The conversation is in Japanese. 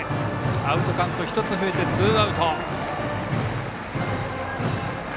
アウトカウントが１つ増えてツーアウト。